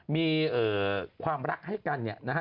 มีความรักให้กันเนี่ยนะฮะ